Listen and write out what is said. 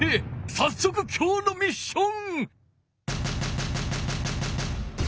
さっそくきょうのミッション！